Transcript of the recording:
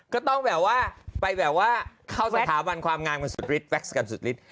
ก็ต้องไปแบบว่าเข้าสถาวันความงานกันสุดฤทธิ์